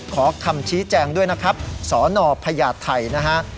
ขอคำชี้แจงด้วยนะครับสนพญาไทยนะฮะ